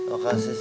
oh kasih siti